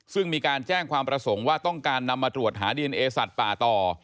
ซึ่งมีการแจ้งความประสงค์ว่าต้องการนำมาตรวจหาดีเอนเอสัตว์ป่าต่อ